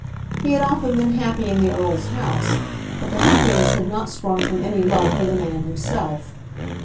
He had often been happy in the Earl's house, but the happiness had not sprung from any love for the man himself.